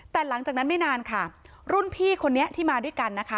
แต่หลังจากนั้นไม่นานค่ะรุ่นพี่คนนี้ที่มาด้วยกันนะคะ